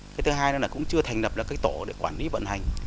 cái thứ hai là cũng chưa thành đập được cái tổ để quản lý vận hành